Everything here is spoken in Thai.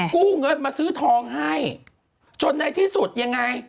กู้เงินมาซื้อทองให้จนในที่สุดยังไง